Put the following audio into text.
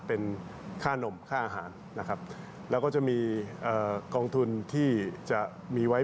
เป็นค่านมค่าอาหารนะครับแล้วก็จะมีเอ่อกองทุนที่จะมีไว้